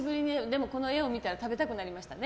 でもこの絵を見たら食べたくなりましたね。